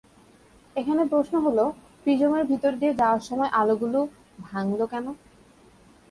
এখন প্রশ্ন হলো প্রিজমের ভেতর দিয়ে যাওয়ার সময় আলোগুলো ভাঙল কেন?